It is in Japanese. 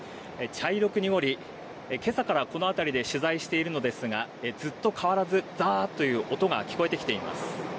茶色く濁り、今朝からこの辺りで取材しているのですがずっと変わらず、ザーッという音が聞こえてきています。